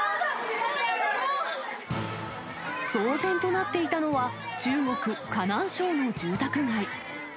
騒然となっていたのは、中国・河南省の住宅街。